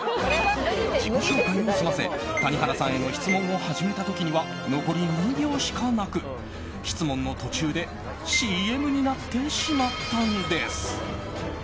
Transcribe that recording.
自己紹介を済ませ谷原さんへの質問を始めた時には残り２秒しかなく質問の途中でＣＭになってしまったんです。